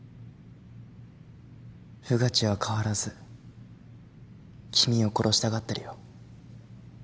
穿地は変わらず君を殺したがってるよ。